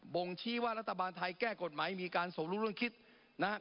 บ่งชี้ว่ารัฐบาลไทยแก้กฎหมายมีการสวรุนคิดนะครับ